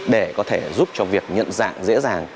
để có thể giúp cho việc nhận dạng dễ dàng